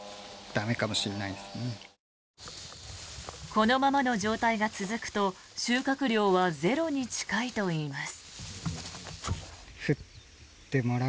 このままの状態が続くと収穫量はゼロに近いといいます。